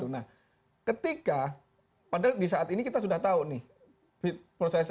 nah ketika padahal di saat ini kita sudah tahu nih prosesnya